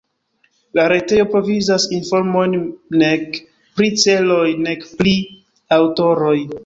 La retejo provizas informojn nek pri celoj, nek pri aŭtoroj.